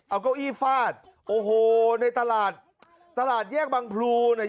เอาเก้าอี้ฟาดโอ้โหในตลาดตลาดแยกบางพลูเนี่ย